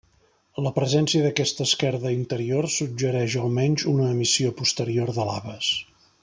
La presència d'aquesta esquerda interior suggereix almenys una emissió posterior de laves.